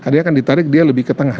dia akan ditarik dia lebih ke tengah